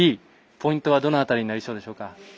ポイントはどの辺りになりそうでしょうか？